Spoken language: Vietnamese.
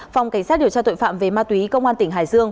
phòng cảnh sát điều tra tội phạm về ma túy công an tỉnh hải dương